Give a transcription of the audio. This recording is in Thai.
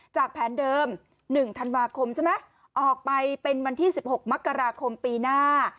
แผนเดิม๑ธันวาคมใช่ไหมออกไปเป็นวันที่๑๖มกราคมปีหน้า